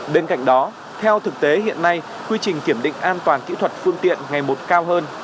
bên cạnh đó theo thực tế hiện nay quy trình kiểm định an toàn kỹ thuật phương tiện ngày một cao hơn